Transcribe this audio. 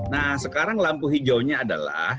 nah sekarang lampu hijaunya adalah